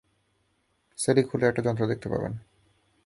সেলাি খুললে একটা যন্ত্র দেখতে পাবেন।